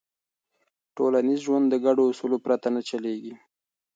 ټولنیز ژوند د ګډو اصولو پرته نه چلېږي.